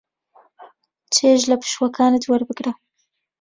چێژ لە پشووەکانت وەربگرە.